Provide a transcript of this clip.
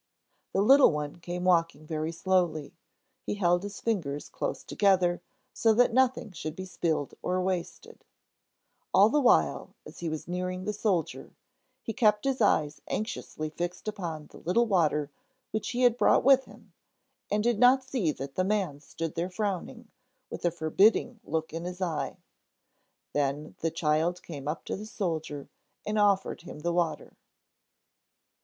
The little one came walking very slowly. He held his fingers close together, so that nothing should be spilled or wasted. All the while, as he was nearing the soldier, he kept his eyes anxiously fixed upon the little water which he brought with him, and did not see that the man stood there frowning, with a forbidding look in his eye. Then the child came up to the soldier and offered him the water.